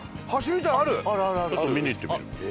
ちょっと見に行ってみる？